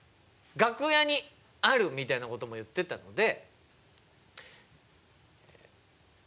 楽屋にあるみたいなことも言ってたので。